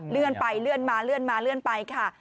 เลื่อนไปเลื่อนมาเลื่อนมาเลื่อนไปค่ะ